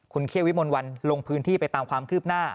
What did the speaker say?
คุณเคี่ยววิมลวันลงพื้นที่ไปตามความคืบหน้า